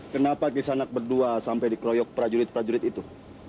kenapa kisah anak berdua sampai dikroyok prajurit prajurit itu